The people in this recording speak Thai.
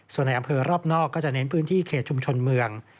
ส่วนในอำเภอรอบนอกก็จะเน้นพื้นที่เขตชุมชนเมือง